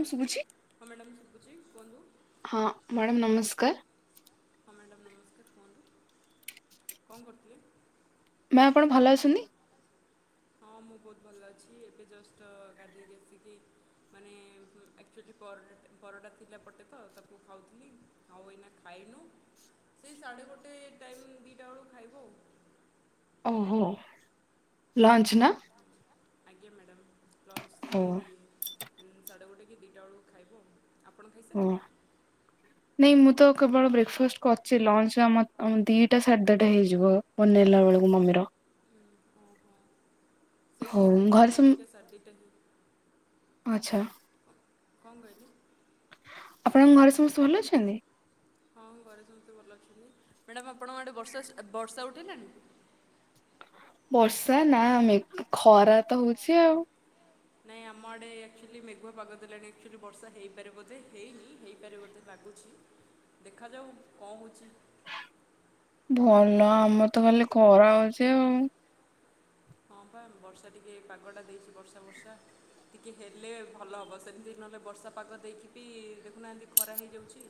ନମସ୍କାର ଶୁଭୁଛି ହଁ ମ୍ୟାଡ଼ାମ୍ ସୁବୁଚି? କୁହନ୍ତୁ। ହଁ ମ୍ୟାଡ଼ାମ୍ ନମସ୍କାର୍। ହଁ ମ୍ୟାଡ଼ମ୍ ନମସ୍କାର୍ କୁହନ୍ତୁ। କଣ କରୁଥିଲେ? ମ୍ୟାମ୍ ଆପଣ ଭଲ ଅଛନ୍ତି? ହଁ ମୁଁ ବହୁତ ଭଲ ଅଛି। ଏବେ ଜଷ୍ଟ ଗାଧେଇକି ଆସିକି ମାନେ ଏ -ଏ ଆକ୍ଚୁଆଲି ପର ପରଟା ଥିଲା ପଟେ ତ ତାକୁ ଖାଉଥିଲି ଆଉ ଏଇନା ଖାଇନୁ। ସେଇ ସାଢ଼େ ଗୋଟେ ଟାଇମ୍ ଦିଟା ବେଳକୁ ଖାଇଵୁ ଆଉ। ଓହୋ ଲଞ୍ଚ୍ ନା? ଆଜ୍ଞା ମ୍ୟାଡାମ୍। ଲଞ୍ଚ୍ ଓ ସେଇ ଇ-ଇ ସାଡେଗୋଟେ କି ଦିଟା ବେଳୁ ଖାଇବୁ ଆଉ। ଆପଣ ଓ ଖାଇସାରିଲେଣି? ନାଇଁ ମୁଁ ତ କେବଳ ବ୍ରେକ୍ଫାଷ୍ଟ କରିଛି। ଲଞ୍ଚରେ ଆମର ଟ ଦିଟା ସାଢେ ଦିଟା ହେଇଯିବ ବନେଇଲା ବେଳକୁ ମମିର। ଓହୋ ସେଇ ହଉ ଏଇଠି ବି ଘରେ ସେହି ସମ ଦିଇଟା ସାଢେ ଦିଟା ହୁଏ ଆଚ୍ଛା। କଣ କହିଲେ? ଆପଣଙ୍କ ଘରେ ସମସ୍ତେ ଭଲ ଅଛନ୍ତି? ମ୍ୟାଡାମ ଆପଣଙ୍କ ଆଡ଼େ ବର୍ଷା ଆସ୍ ବର୍ଷା ଉଠେଇଲାଣି? ବର୍ଷା ନା ମେଘ୍ ଖରା ତ ହୋଉଚି ଆଉ। ନାଇଁ ଆମ ଆଡ଼େ ଆକ୍ଚୁଆଲି ମେଘୁଆ ପାଗ ଦେଲାଣି। ଆକ୍ଚୁଆଲି ବର୍ଷା ହେଇପାରେ ବୋଧେ ହେଇନି ହେଇପାରେ ବୋଧେ ଲାଗୁଛି। ଦେଖାଯାଉ କଣ ହେଉଛି। ଭଲ ଆମ ତ ଖାଲି ଖରା ହଉଚି ଆଉ। ହଁ ପା ବର୍ଷା ଟିକେ ପାଗଟା ଦେଇଚି ବର୍ଷା ବର୍ଷା। ଟିକିଏ ହେଲେ ଭଲ ହେବ ସେମିତି ନହେଲେ ବର୍ଷା ପାଗ ଦେଇକି ବି ଦେଖୁନାହାନ୍ତି ଖରା ହେଇଯାଉଚି।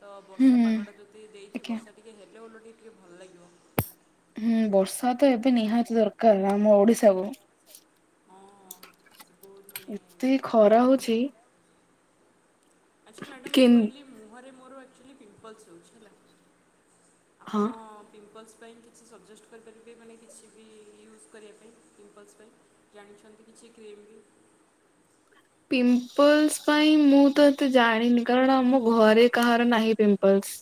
ତ ହୁଁ ବର୍ଷା ପାଗଟା ଯଦି ଦେଇଚି ଆଜ୍ଞା ବର୍ଷା ଟିକେ ହେଲେ ଓଲଟି ଟିକେ ଭଲ୍ ଲାଗିବ। ହୁଁ ବର୍ଷା ତ ଏବେ ନିହାତି ଦରକାର ଆମ ଓଡିଶା କୁ। ହଁ। ସେ ବହୁତ ମାନେ ଏତେ ଖରା ହୋଉଚି। ଆଚ୍ଛା ମ୍ୟାଡାମ୍ ମୁଁ କହିଲି ମୁହଁରେ ମୋର ଆକ୍ଚୁଲି ପିମ୍ପଲ୍ସ୍ ହୋଉଛି ହେଲା। ହଁ ଆପଣ ପିମ୍ପଲ୍ସ୍ ପାଇଁ କିଛି ସଜେଷ୍ଟ କରିପାରିବେ ମାନେ କିଛି ବି ୟୁଜ୍ କରିବା ପାଇଁ ପିମ୍ପଲ୍ସ୍ ପାଇଁ ଜାଣିଛନ୍ତି କିଛି କ୍ରିମ୍ ବି? ପିମ୍ପଲ୍ସ୍ ପାଇଁ ମୁଁ ତ ଏତେ ଜାଣିନି କାରଣ ଆମ ଘରେ କାହାର ଆପଣଙ୍କର ନାହିଁ ପିମ୍ପଲସ୍।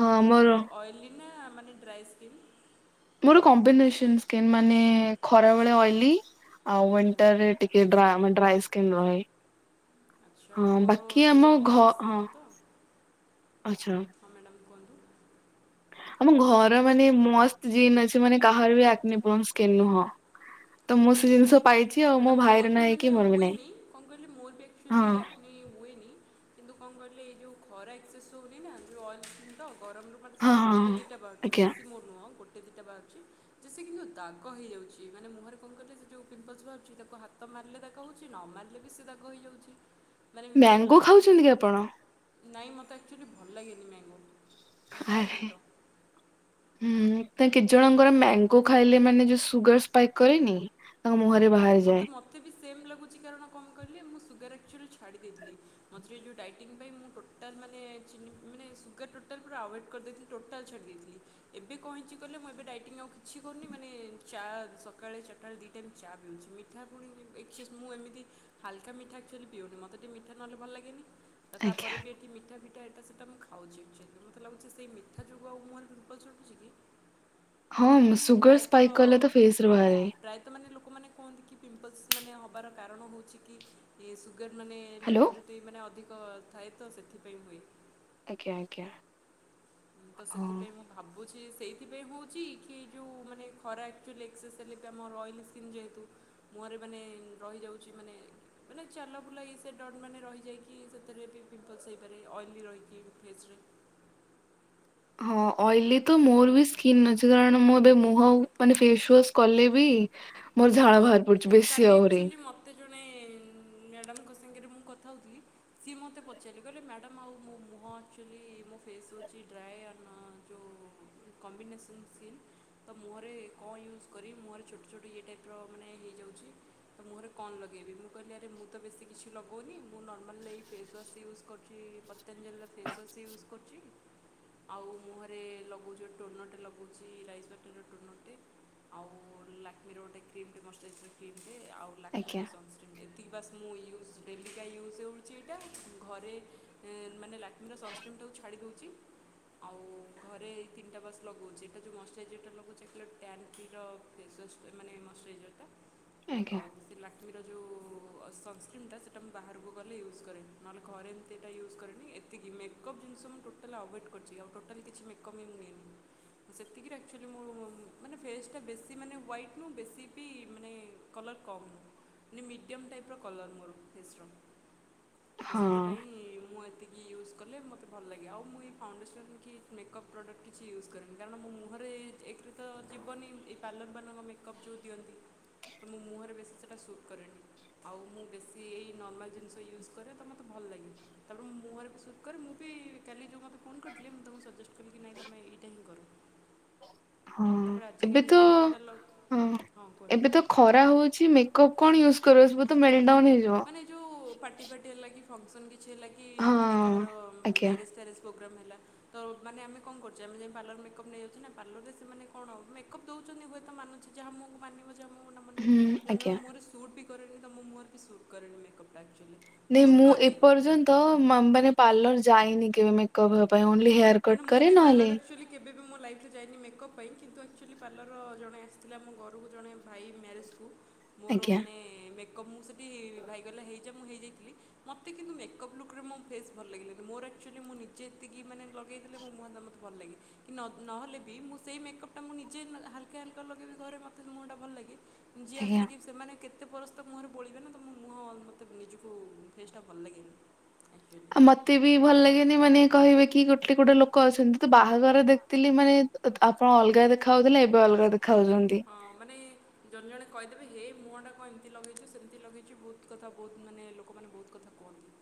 ହଁ ଆମର। ଇନା ମାନେ ଡ୍ରାଏ ସ୍କିନ୍। ମୋର କମ୍ବିନେସନ୍ ସ୍କିନ୍ ମାନେ ଓ ଖରାବେଳେ ଆଚ୍ଛା ଅଏଲି ଆଉ ହୁଁ ୱିଣ୍ଟର୍ ରେ ଟିକେ ଡ୍ରାଏ ମା ଡ୍ରାଏ ସ୍କିନ୍ ରହେ। ଆଛା ହଁ ମୋର ବାକି ଆମ ସେଇ ଘ ଅଏଲି ହଁ ସ୍କିନ୍ ତ ଆଚ୍ଛା ହଁ ମ୍ୟାଡାମ ଆମ ଘର ମାନେ ମସ୍ତ୍ ଜିନ୍ ଅଛି ମାନେ କାହାର ବି ଆକ୍ନି ପ୍ରୋନ୍ ସ୍କିନ୍ ନୁହଁ। ତ ଓ ମୁଁ ହଁ ସେ ଜିନିଷ ପାଇଛି ଆଉ ହେଟା ମୋ ଭାଇର ମୋର ବି ନାହିଁ କି ମାନେ ମୋର ବି ନାହିଁ ହୁଏନି କଣ କହିଲି ମୋର ବି ହଁ ଆକଚୁଲି ଆକ୍ନି ହୁଏନି କିନ୍ତୁ କଣ କହିଲେ ଏଇ ଯେଉଁ ଖରା ଏକ୍ସେସ୍ ହୋଉନି ନା ଯୋଉଁ ଅଏଲ ସ୍କିନ୍ ତ ଗରମରୁ ହଁ ବାସ ହଁ ଗୋଟେ ହଁ। ଦିଇଟା ବାହାରୁଚି ଆଜ୍ଞା ବେଶୀ ମୋର ନୁହଁ ଗୋଟ ଦିଟା ବାହାରୁଚି ଯେ ସେ କିନ୍ତୁ ଦାଗ ହେଇଯାଉଚି ମାନେ ମୁହଁରେ କଣ କିହିଲ ସେଇ ଯୋଉ ପିମ୍ପଲ୍ସ ବାହାରୁଚି ତାକୁ ହାତ ମାରିଲେ ଦାଗ ହୋଉଚି ନ ମାରିଲେ ବି ସେ ଦାଗ ହେଇଯାଉଚି। ମ୍ୟାଙ୍ଗୋ ଖାଉଛନ୍ତି କି ଆପଣ? ନାଇଁ ମତେ ଅକ୍ଚୁଆଲି ଭଲ ଲାଗେନି ମ୍ୟାଙ୍ଗୋ। ଆରେ ଖାଇନି ତ ହୁଁ ତ କେତେ ଜଣଙ୍କର ମ୍ୟାଙ୍ଗୋ ଖାଇଲେ ମାନେ ଯୋଉ ସୁଗାର ସ୍ପାଇକ୍ କରେନି ତାଙ୍କ ମୁହଁରେ ଆଜ୍ଞା ବାହାରି ମୋତେ ଯାଏ। ମୋତେ ବି ସେମ୍ ଲାଗୁଚି କାରଣ କଣ କିହିଲେ ମୁଁ ସୁଗାର ଅକ୍ଚୁଆଲୀ ଛାଡ଼ି ଦେଇଥିଲି ମଝିରେ ଏଇ ଯୋଉ ଡାଇଟିଂ ପାଇଁ ମୁଁ ଟୋଟାଲ୍ ମାନେ ଚିନି ମାନେ ସୁଗାର ଟୋଟାଲ୍ ପୁରା ଆଭଏଡ଼୍ କରିଦେଇଥିଲି ଟୋଟାଲ୍ ଛାଡ଼ି ଦେଇଥିଲି ଏବେ କଣ ହେଇଚେ କହିଲ ମୁଁ ଏବେ ଡାଇଟିଂ ଆଉ କିଛି କରୁନି ମାନେ ଚା ସକାଳେ ଚରଟା ବେଳେ ଦି ଚା ପିଉଚି ମିଠା ପୁଣି ବି ଏକସେସ୍ ମୁଁ ଏମିତି ହାଲକା ମିଠା ଆକଚୋଲି ପିଉନି ମତେ ଟିକେ ମିଠା ନହେଲେ ଭଲ ଲାଗେନି। ତ ଆଜ୍ଞା ତାପରେ ବି ଏଠି ମିଠା ଫି ଏଟା ସେଟା ମୁଁ ଖାଉଚି ଯେହେତୁ ମୋତେ ଲାଗୁଚି ସେଇ ମିଠା ଯୋଗୁ ଆଉ ମୁଁହରେ ପିମ୍ପଲ୍ସ ଉଠୁଛି କି ହଁ ସେ ସୁଗର ପ୍ରାୟତଃ ସ୍ପାଇକ୍ କଲେ ତ ଫେସରେ ହଁ ବାହାରେ। ପ୍ରାୟତଃ ଲୋକମାନେ କୁହନ୍ତି କି ପିମ୍ପଲସ୍ ମାନେ ହବାର କାରଣ ହଉଚି କି ସୁଗାର ସୁଗାର ମାନେ ହ୍ୟାଲୋ ଲେବୁଲ୍ ଯଦି ମାନେ ଅଧି ତ ଥାଏ ତ ସେଥିପାଇଁ ହୁଏ। ଆଜ୍ଞା ଆଜ୍ଞା। ତ ହଁ। ସେଥିପାଇଁ ମୁଁ ଭାବୁ ବୁଛି ସେଇଥିପାଇଁ ହୋଉଛି କି ଯୋଉ ମାନେ ଖରା ଆକଚୋଲି ଏକ୍ସେସ୍ ହେଲେ ବି ଆମର ଅଏଲି ସ୍କିନ୍ ଯେହେତୁ ମୁହଁରେ ମାନେ ରହିଯାଉଚି ମାନେ ମାନେ ଚାଲା ବୁଲା ଏ ସେ ଡଟ ମାନେ ରହିଯାଇକି ସେଥିରେ ବି ପିମ୍ପଲ୍ସ ହେଇପାରେ ଅଏଲି ରହିକି ଫେସ୍ ରେ ହଁ ଅଏଲି ତ ମୋର ବି ସ୍କିନ୍ ଅଛି କାରଣ ମୁଁ ବି ମୁହ ମାନେ ଫେସୱାସ କଲେ ବି ମୋର ଝାଳ ବାହାରି ପଡୁଚି ବେଶୀ ଆହୁରି ମାନେ ମ୍ୟାଡ଼ମଙ୍କ ସାଙ୍ଗେରେ ମୁଁ କଥା ହୋଉଥିଲି ସିଏ ମୋତେ ପଚାରିଲେ କହିଲେ ମ୍ୟାଡ଼ମ୍ ଆଉ ମୋ ମୁହଁ ଆକଚୋଲି ମୋ ଫେସ୍ ହୋଉଚି ଡ୍ରାଏ ଆନ୍ ଯୋଉ କମ୍ବିନେସନ୍ ସ୍କିନ୍ ତ ମୁହଁରେ କଣ ୟୁଜ୍ କରି ମୁହଁରେ ଛୋଟ ଛୋଟ ଇଏ ଟାଇପର ମାନେ ହେଇଯାଉଚି ତ ମୁହଁରେ କଣ ଲଗେଇବି ମୁଁ କହିଲି ଆରେ ମୁ ତ ବେଶୀ କିିଛି ଲଗୋଉନି ମୁଁ ନର୍ମାଲରେ ଏଇ ଫେସୱାସ ୟୁଜ କରୁଚି ଏଉ ପତଞ୍ଜଲିର ଫେସୱାସ ୟୁଜ କରୁଚି ଆଉ ମୁହଁରେ ଲଗୋଉଚି ଗୋଟେ ଟୋନରଟେ ଲଗୋଉଚି ରାଇସଭାକଟରର ଗୋଟେ ଟୋନରଟେ ଆଉ ଲାକ୍କମି ର ଗୋଟେ କ୍ରିମ୍ ଟେ ମର ଏଥର କିଣି ଆଉ ଲାକମିର ଆଜ୍ଞା ସଂସ୍କ୍ରିନ ବି ଏତିକି ବାସ ମୁଁ ୟୁ ବେବିକା ଇଉଜ ସେ କରୁଚି ଏଇଟା ଘରେ ଉଁ ମାନେ ଲାକମି ର ସଂସ୍କିନଟାକୁ ଛାଡିଦୋଉଚି ଆଉ ଘରେ ଏଇ ତିନଟା ବାସ୍ ଲଗୋଉଚି ଏଇଟା ଯୋଉ ମଶ୍ଚୁରାଇଜରଟା ଲଗୋଉଚି ଏଟା ଟାନକିରର ଫେସୱାସ୍ ମାନେ ମଶ୍ଚୁରାଇଜରଟା। ଆଜ୍ଞା ଆଉ ସେ ଲାକମିର ଯୋଉ ଆଉ ସଂସ୍କିନଟା ସେଟା ମୁଁ ବାହାରକୁ ଗଲେ ୟୁଜ୍ କରେନି ନହେଲେ ଘରେ ଏମିତି ଏଟା ୟୁଜ କରେନି ଏତିକି ମେକଅପ୍ ଜିନିଷ ମୁଁ ଟୋଟାଲି ଅଭୋଏଡ଼୍ କରିଚି ଆଉ ଟୋଟାଲି କିଛି ମେକଅପ୍ ବି ମୁଁ ନିଏନି ସେତିକିରେ ଆକ୍ଚୁଲି ମୁଁ ମୋ ମାନେ ଫେସଟା ବେଶୀ ମାନେ ହ୍ୱାଇଟ ନୁହଁ ବେଶୀ ବି ମାନେ କଲର କମ ନୁହଁ ମାନେ ମିଡିଅମ ଟାଇପର କଲର ମୋର ଫେସର। ତ ହଁ ସେଥିପାଇଁ ମୁଁ ଏ ଏତିକି ୟୁଜ୍ କଲେ ମୋତେ ଭଲ ଲାଗେ ଆଉ ମୁଁ ଏଇ ଫାଉଣ୍ଡେସନ କି ମେକଅପ୍ ପ୍ରଡ଼କ୍ଟ କିଛି ୟୁଜ୍ କରେନି କାରଣ ମୋ ମୁହଁରେ ଏକରେ ତ ଯିବନି ଏଇ ପାର୍ଲରମାନାନଙ୍କ ମେକଅପ୍ ଯେଉଁ ଦିଅନ୍ତି। ତ ମୋ ମୁହଁରେ ବେଶୀ ସେଇଟା ସୁଟ୍ କରେନି ଆଉ ମୁଁ ବେଶୀ ଏଇ ନର୍ମାଲ ଜିନିଷ ୟୁଜ୍ କରେ ତ ମୋତେ ଭଲ ଲାଗେ ତାପରେ ମୋ ମୁହଁରେ ବି ସୁଟ୍ କରେ ମୁଁ ବି କାଲି ଯେଉଁ ମାନଙ୍କୁ ଫୋନ କରିଥିଲି ମୁଁ ତମକୁ ସଜେଷ୍ଟ କଲି କି ନାଇଁ ତୁମେ ଏଇଟା ହିଁ କର ହଁ ତା'ପରେ ଏବେ ଆଜିକାଲି ତ ଯେଉଁ ଏଟା ଲ ହଁ କୁହନ୍ତୁ ଏବେ ତ ଖରା ହଉଛି ମେକଅପ୍ କଣ ୟୁଜ କରାଜୀବ ମାନେ ଯୋଉ ପାଟି ଫାଟି ଲାଗି ଫଙ୍କସନ୍ କି? ମାନେ ହଁ। କାହାର ହୋନ ଆଜ୍ଞା ଆମେ କଣ କରଛୁ ଆମ ପଲ ମ୍ ନେଇଯାଉଛ ପାର୍ଲରେ ସେମାନେ କଣ ମେକ୍ ଦଉଛନ୍ତିୁ ମୁ ଯାହା ହୁଁ ମ ଆଜ୍ଞା ମୋରଟ ବି କର ତ ମୁଁ ମୋର ବି ସରୁ ଉପକରଣ କପଡ଼ା କି? ନାଇ ମୁଁ ଏପର୍ଯ୍ୟନ୍ତ ମାନେ ପାର୍ଲର ଯାଇନି କେବେ ମେକଅପ୍ ପାଇଁ ହେୟାର କଟ୍ ନ ମୁଁ କରେ ବି ନହେଲେ ପାଇଲିଲାରୁଚୁଆଲି କେବେ ବି ମୋ ଲାଇ ରେ ଯଏନି ମେକଅପ୍ ପାଇଁ କିନ୍ତୁ ଆକ୍ଚୁଆଲି ପାର୍ଲରର ଜଣେ ଆସିଥିଲା ମୋ ଘରକୁ ଜଣେ ଭାଇ ମ୍ୟଜ କ ମୋର ଆଜ୍ଞା ମାନେ ଁ ସେଠି ଭାଇଗ ହେଇା ମୁଁ ହେଇଯାଇଥିଲି ମତେ କିନ୍ତୁ ମେକପ୍ ଲୁ ଲଗେଇଥିଲେ ମୋ ମୁହଁଟା ମୋତେ ଭଲ ଲାଗେ କି ନହେଲେ ବି ମୁ ସେଇ ମେକଅପ୍ା ମୁ ନିେ ହାଲକା ହାଲକା ଲଗେଇବ ଘରେ ମୋତେ ମୁହଁଟା ଭଲ ଲାଗେ। ଯିଏ ଆଜ୍ଞା। ଆସିକି ସେମାନେ କେତେ? ଏତେ ପରରସ୍ତ ମୁହଁରେ ପୋଳିବେ ନା ତ ମୁହଁ ମୋତେ ନିଜକୁ ଫେସ୍ଟା ଭଲ ଲାଗେନି ଆକ୍ଚୁଆଲି ଆଉ ମତେ ବି ଭଲ ଲାଗେନି ମାନେ କହିବେ କି ଗୋଟେ ଗୋଟେ ଲୋକ ଅଛନ୍ତି ତୁ ବାହାଘର ଦେଖଥିଲି ମାନେ ଆପଣ ଅଲଗା ଦେଖା ହାଉଥିଲେ ଏବେ ଅଲଗା ଦେଖ ହଁ ମାନେ ଜଣେ ଜଣେ କହିଦେବେ ହେଇ ଏ ମୁହଁଟା କ ଏମିତି ଲଗେଇଛୁ ସେମିତି ଲଗେଇଛି ବହୁତ କଥା ବହୁତ ମାନେ ଲୋକମାନେ ବହୁତ କଥା କୁହନ୍ତି।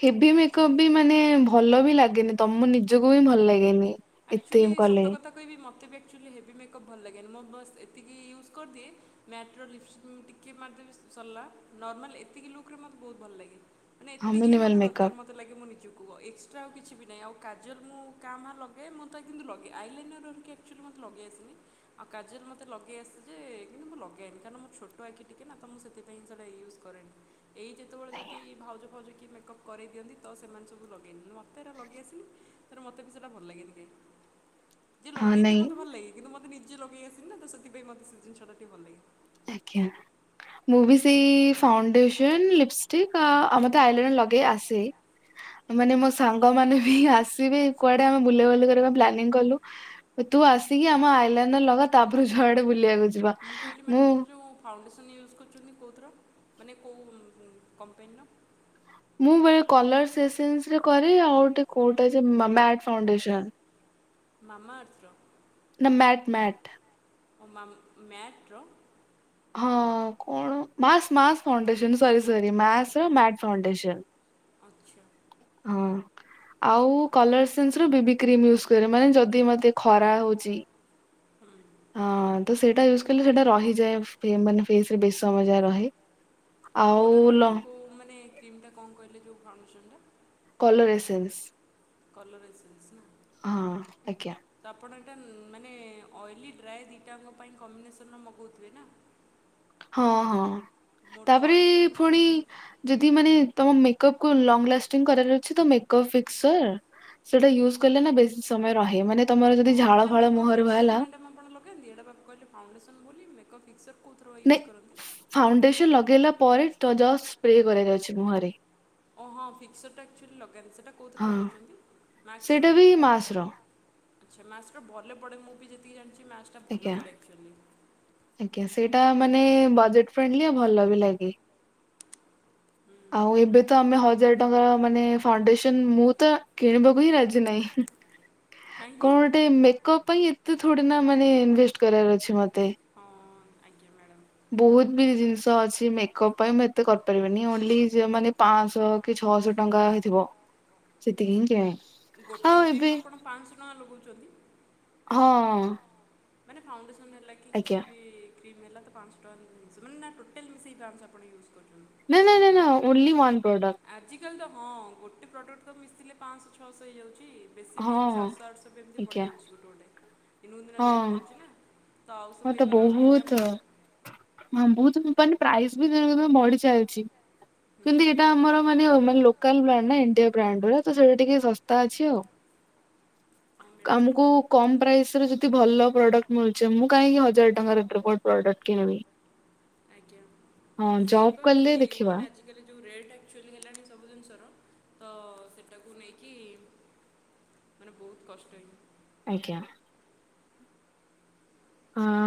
ହେଭି ମେକପ୍ ବି ଆକ୍ଚୁଆଲି ମାନେ ଭଲ ବି ଲାଗେନି ତମ ନିଜକୁ ବି ଭଲ ଲାଗେନି ଏତେ ଆଚୁଆଲି କଲେ ସତ କଥା କହିବି ମତେ ଆକ୍ଚୁଆଲି ହେଭି ମେକଅପ୍ ଭଲ ଲାଗେନି ମୁଁ ବସ୍ ଏତିକି ୟୁଜ୍ କରିଦିଏ ମ୍ୟାଟ୍ର ଲିପ୍ଷ୍ଟିକ୍ ଟିକେ ମାରିଦେି ସରିଲା ନର୍ମାଲ୍ ଏତିକି ଲୁକ୍ରେ ମୋତେ ବହୁତ ଭଲ ଲାଗେ। ମାନେ ହଁ ଏତିକି ମିନିମଲ ମତେ ଦରକାର ମେକଅପ୍ ମତେ ଲାଗେ ମୁ ନିଜକୁ ଆ ଏକ୍ସଟାଉଛି ନାଇଁ ଆଉ କାଜୁଅର ମୁଁ କାାମ ଲଗ ହେ ମୁଁ ତ କିନ୍ତୁ ଲଗେଇ ଆଇଲାଇନରର କି ଆକ୍ଚୁଆ ମୋତେ ଲଗେଇ ଆସିନି ଆଉ କାଜଲ ମତେ ଲଗେଇ ଆସିେ ଯେ କିନ୍ତୁ ମୁଁ ଲଗାଇନି କାରଣ ମୋ ଛୋଟ ଆଖି ଟିକିେ ନା ତ ମୁଁ ସେଥିପାଇଁ ସେଇଟା ୟୁଜ କରେନଣି ଏଇ ଯେତେବେଳେ ଯଦି ଭାଉଜ ଫାଉଜ କି ମେକଅପ୍ କରାଇଦିଅନ୍ତି ତ ସେମାନେ ସବୁ ଲଗେଇନି ମତେ ଏଟ ଲଗେଇ ଆସିଲନି ମୋତେ ବି ସେଇଟା ଭଲ ଲାଗେନି କାହିଁ ଯେ ହଁ ଲଗେଇଦି ନାଇଁ ମତେ ଭଲ ଲାଗେ କିନ୍ତୁ ମତେ ନି କି ଲୋକେଇ ଆସି ନା ତ ସେଥିପାଇ ମତେ ସେ ଜିନିଷ ଟିକେ ଭଲାଗି ଆଜ୍ଞା ମୁଁ ବି ସେଇ ଫାଉଣ୍ଡେସନ ଲିପଷ୍ଟିକ ଆ ଆମତେ ଆଇଲନ ଲଗେଇ ଆସେ ମାନେ ମୋ ସାଙ୍ଗ ମାନେ ବି ଆସିବେ କୁଆଡେ ଆମେ ବୁଲା ବୁଲି କରିବା ପ୍ଲାନିଂ କଲୁ ତୁ ଆସିକି ଆମ ଆଇଲନ ଲଗା ତାପରେ ଯୁଆଡେ ବୁଲିବାକୁ ଯିବା କହିଲି ମୁଁ ମ୍ୟାଡ଼ାମ୍ ଆପଣ ମୁଁ ଫାଉଣ୍ଡେସନ୍ ୟୁଜ୍ କରୁଛନ୍ତି କେଉଁଥିର ମାନେ କେଉଁ କମ୍ପାନୀର ମୁଁ କରେ ଆଉ ଗୋଟୋଉଟ ମାମା ଅର୍ଥ ର ନା ମ୍ୟାଟ୍ ମ୍ୟାଟ୍ ଓମ ମା ମ୍ୟାଟ୍ ର ହଁ କଣ ମାସ ମାସ ଫାଉଣ୍ଡେସନ ସେ ବିଷୟରେ ଓହୋ ମାସ୍ ମାସ୍ ଆଚ୍ଛା ଫାଉଣ୍ଡେସନ ହଁ ଆଉ କଲର ସେନ୍ସ ର ବେବି କ୍ରିମ ୟୁଜ କରେ ମାନେ ଯଦି ମତେ ଖରା ହଉଛି। ହୁଁ ହଁ ତ ସେଇଟା ୟୁଜ କଲେ ସେଇଟା ରହିଯାଏ ମାନେ ଫେସରେ ବେଶି ସମୟ ଯାଏ ରହେ। ଆଉ କୋଉଟା କହିଲେ ଲ କୋଉ ମାନେ କ୍ରିମ ଟା କଣ କହିଲେ ଯୋଉ ଫାଉଣ୍ଡେସନ୍ ଟା। Colour essence. Colour essence. ନା ହଁ ଆଜ୍ଞା। ଉଁ ମାନେ ଅଏଲି ଡ୍ରାଏ ଦିଇଟାଙ୍କ ପାଇଁ କମ୍ବିନେସନ ର ମଗଉଥିବେ ନା। ହଁ ହଁ। ମୋର ତ ତାପରେ ଅଏଲି ମୁଁ ପୁଣି ସେଥିପାଇଁ ଯଦି ମାନେ ତମ ମେକଅପ କୁ ଲଙ୍ଗ ଲାଷ୍ଟିଙ୍ଗ କରାର ଅଛି ତ ମେକପ୍ ଫିକ୍ସର ସେଟା ୟୁଜ କଲେ ନା ବେଶି ସମୟ ରହେ ମାନେ ତମର ଯଦି ହଁ ଝାଳ ହେଇଟା ଫାଳ ମେକପ୍ ମୁହଁରେ ଫିକ୍ସେଲ ବାହାରିଲା ମ୍ୟାଡ଼ାମ ଆପଣ ଲଗାନ୍ତି। ଏଇଟା କହିଲେ ଫାଉଣ୍ଡେସନ ବୋଲି ମେକ୍ କ ଫିକ୍ସ ନାଇ ଫାଉଣ୍ଡସନ ଲଗେଇଲା ପ ପରେ ଜ ଜଷ୍ଟ ସ୍ପ୍ରେ କରାଯାଉଛି ମୁହଁରେ। ଓହୋ ହଁ ଫିକ୍ସରଟା ଆକ୍ଚୁଆଲି ଲଗାନ୍ତି। ସେଇଟା କୋଉଁଥିରେ ହଁ ଲଗଉଚନ୍ତି। ମାସ୍କ ର। ସେଇଟା ବି ମାସ ର ଆଚ୍ଛା ମାସ୍କର ଭଲ ପଡେ ମୁଁ ବି ଯେତିକି ଜାଣିଚି। ମାସ୍କଟା ଆଜ୍ଞା ଭଲ ପଡେ ଆକଚୁଆଲି। [inaudible] ଆଜ୍ଞା ସେଇଟା ମାନେ ବଜେଟ ଫ୍ରେଏଡିଲି ଭଲ ବି ଲାଗେ। [inaudible] ଆଉ ଏବେ ତ ଆମେ ହଜାର ଟଙ୍କାର ମାନେ ଫାଉଣ୍ଡେସନ ମୁଁ ତ କିଣିବାକୁ ହିଁ ରାଜି ନାହିଁ। କାହିଁକି କଣ ଗୋଟେ ମେକ୍ କଣ ପାଇଁ ଏତେ ଥୋଡି ନା ମାନେ ଇନଭେଷ୍ଟ କରିବାର ଅଛି, ମତେ ହଁ ଆଜ୍ଞା ମ୍ୟାଡ଼ାମ୍ [inaudible] ବହୁତ ବି ଜିନିଷ ଅଛି ମେକପ ପାଇଁ ମୁଁ ଏତେ କରିପାରିବନି। ଓନଲି ଜ ମାନେ ପାଞ୍ଚଶହ କି ଛଅଶହ ଟଙ୍କା ହେଇଥିବ। ସେତିକି ହିଁ ଚାହେଁ। ଗୋଟେ କ୍ରିମ୍ ଆପଣ ପାଞ୍ଚଶହ ଟଙ୍କା ଲଗାଉଚନ୍ତି। ହଁ। ମାନେ ଫାଉଁଡେସନ୍ ନେଲାକି କିଛି ଆଜ୍ଞା ବି ମେଲା ତ ପାଞ୍ଚଶହ ଟଙ୍କା ହିଁ କିଣିଛି ମାନେ ନା ଟୋଟାଲ ମିଶିକି ପାଁସହ ଆପଣ ୟୁଜ୍ କରୁଛନ୍ତି ନା ନା ନା ନା ଓନ୍ଲି ୱାନ। ପ୍ରଡକ୍ଟ। ଆକ୍ଟୁଆଲି ତ ହଁ ଗୋଟେ ପ୍ରଡ଼କ୍ଟ ତ ମିଶିଲେ ପାଞ୍ଚଶହ ଛଅଶହ ହେଇଯାଉ ଯାଉଛି ବେଶି ବି ହଁ ଶାତହ ଆଠହ ଏମତି ପଡ଼ି ଆଜ୍ଞା ଯାଉଛି ଗୋଟେ ଗୋଟେ ଦିନକୁ ଦିନ ହଁ ରେଟ୍ ବଢୁଛି ନା। ତ ଆଉ ହଁ ସବୁ ଇଏ ତ କଲାବେଳେ ବହୁତ ମିନିମମ୍ ହଁ ହଁ ବହୁତ। ମାନେ ପ୍ରାଇସ୍ ବି ଦିନକୁ ଦିନ ବଢି ଚାଲିଚି। ହଁ କିନ୍ତୁ ଏଟା ଆମର ମାନେ ମାନେ ଲୋକାଲ ବ୍ରାଣ୍ଡ ନା ଇଣ୍ଡିଆ ବ୍ରାଣ୍ଡ ଗୁଡା ସେଟା ଟିକେ ଶସ୍ତା ଅଛି ଆଉ। [inaudible] ମ୍ୟାଡ଼ାମ୍ ଆମକୁ କମ ପ୍ରାଇସରେ ଯଦି ଭଲ ପ୍ରଡକ୍ଟ ମିଳୁଚି। ଆମୁକ କାହିଁକି ହଜାର ଟଙ୍କାର ଡବଲ୍ ପ୍ରଡକ୍ଟ କିଣିବି? ଆଜ୍ଞା [inaudible] ସେଇ ଜବ୍ ବା କଲେ ସେଇ ଦେଖିବା ମାନେ ଆଜିକାଲି ଯୋଉ ରେଟ ଆକ୍ଚୁଆଲି ହେଲାଣି ସବୁ ଜିନିଷର ତ ସେଟାକୁ ନେଇକି ମାନେ ବହୁତ କଷ୍ଟ ହେଇ ଆଜ୍ଞା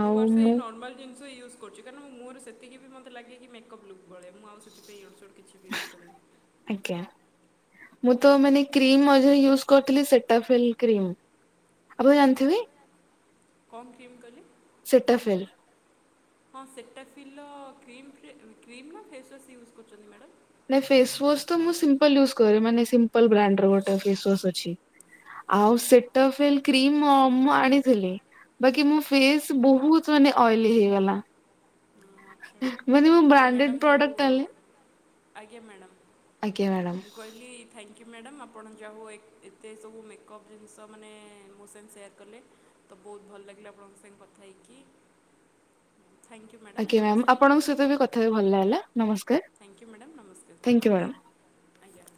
ମୁଁ ବର୍ଷେ ଏଇ ନର୍ମାଲ ଜିନିଷ ୟୁଜ କରୁଛି କାରଁଣ ମୋର ସେତିକି ବି ମତେ ଲାଗେକି ମେଅପ୍ ଲୁକ୍ ବଳେ ମୁଁ ଆଉ ସେଥିପାଇଁ ୟାଡୁ ସାଡୁ ଆଜ୍ଞା। ମୁଁ ତ ମାନେ କ୍ରିମରେ ୟୁଜ କରିଥିଲି ସେଟାଫିଲ୍ କ୍ରିମ ଆପଣ ଆଜ୍ଞା ଜାଣିଥିବେ। କଣ କ୍ରିମ୍ କଲି? ସେଟାଫିଲ୍। ହଁ ସେଟାଫିଲ୍ ର କ୍ରିମ୍ ଫ୍ର ନା ଫେସ୍ୱାସ୍ ୟୁଜ୍ କରୁଚନ୍ତି ମ୍ୟାଡ଼ାମ୍? ନାଇଁ ଫେସ ୱାସ୍ ତ ମୁଁ ସିମ୍ପଲ ୟୁଜ୍ କରେ। ମାନେ ସିମ୍ ପ୍ପଲ୍ ବ୍ରାଣ୍ଡର ଗୋଟା ଆଚ୍ଛା ଫେସ୍ୱାସ୍ସ୍ ଅଛି। ଆଉ ସେଟାଫିଲ୍ କ୍ରିମ୍ ମ ମୁଁ ଆଣିଥିଲି। ବାକି ମୋ ଫେସ୍ ବହୁତ ମାନେ ଅଏଲି ହେଇଗଲା। [unintelligible] ମୁଁ ବ୍ରାଣ୍ଡେଡ ମ୍ୟାଡ଼ାାମ ଯୋଉ ପ୍ରଡକ୍ଟ ଆଣିଲି ଆଜ୍ଞା ମ୍ୟାଡ଼ାମ ଆଜ୍ଞା ମ୍ୟାଡାମ ମୁଁ କହିଲି ଥ୍ୟାଙ୍କ ୟୁ। ମ୍ୟାଡ଼ାମ୍ ଆପଣ ଯାହା ହେଉ ଏ ଏତେ ସବୁ ମେକଅପ୍ ଜିନିଷ ମାନେ ମୋ ସାଙ୍ଗେ ସେୟାର୍ କଲେ। ତ ବହୁତ ଭଲ ଲାଗିଲା ଆପଣଙ୍କ ସାଙ୍ଗେ କଥା ହେଇକି। [inaudible] ମ୍ୟାଡ଼ାମ୍ ଆଜ୍ଞା ମ୍ୟାମ୍ ଆପଣଙ୍କ ସହିତ ବି କଥ୍ ଥା ହେଇ ଭଲ ଲାଗିଲା। ନମସ୍କାର ଥ୍ୟାଙ୍କୟୁ ମ୍ୟାଡ଼ାମ୍ ଥ୍ୟାଙ୍କୟୁ ମ୍ୟାମ୍। ନମସ୍କାର ଆଜ୍ଞା।